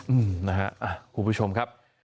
อืมนะฮะคุณผู้ชมครับ